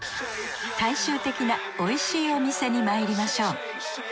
大衆的なおいしいお店にまいりましょう。